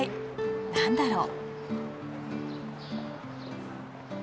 何だろう？